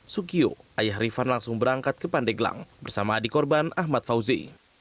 sukiyo ayah rifan langsung berangkat ke pandeglang bersama adik korban ahmad fauzi